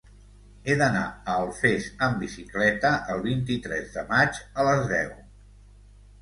He d'anar a Alfés amb bicicleta el vint-i-tres de maig a les deu.